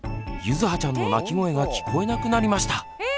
ゆずはちゃんの泣き声が聞こえなくなりました。